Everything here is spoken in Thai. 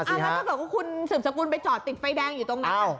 แล้วถ้าเกิดว่าคุณสืบสกุลไปจอดติดไฟแดงอยู่ตรงนั้น